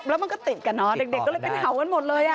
แล้วมันก็ติดกันเนอะเด็กก็เลยเป็นเห่ากันหมดเลย